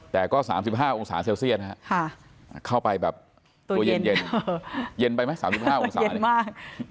แต่ก็๓๕องศาเซลเซียสนะครับเข้าไปแบบตัวเย็นเย็นไปไหม๓๕องศามาก